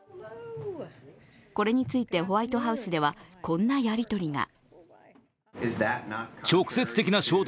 これについてホワイトハウスではこんなやり取りが。